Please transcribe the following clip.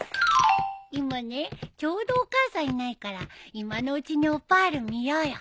今ねちょうどお母さんいないから今のうちにオパール見ようよ。